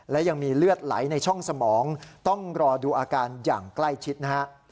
และยังมีเลือดไหลในช่องสมองต้องรอดูอาการอย่างใกล้ชิดนะฮะ